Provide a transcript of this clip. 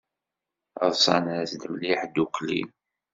Ḍsan-as-d mliḥ ddukkli.